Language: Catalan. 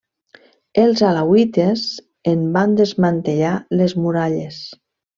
Els alauites en van desmantellar les muralles.